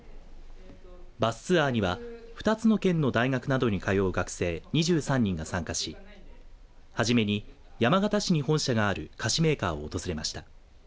バスツアーには２つの県の大学などに通う学生２３人が参加し初めに山形市に本社がある菓子メーカーを訪れました。